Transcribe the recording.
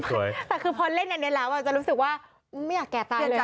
แต่คือพอเล่นอันนี้แล้วจะรู้สึกว่าไม่อยากแก่ตายเลย